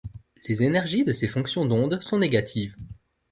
Les énergies de ces fonctions d'ondes sont négatives.